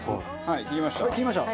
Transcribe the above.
はい切りました。